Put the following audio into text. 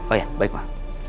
oh iya baik pak